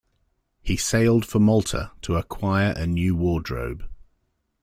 He sailed for Malta to acquire a new wardrobe.